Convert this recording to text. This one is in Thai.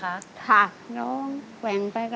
น้องตาชอบให้แม่ร้องเพลง๑๙